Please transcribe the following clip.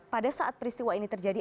pada saat peristiwa ini terjadi